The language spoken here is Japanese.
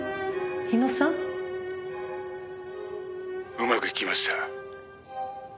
「うまくいきました」